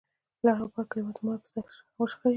لر او بر کليوال د جومات پر ځای سره وشخړېدل.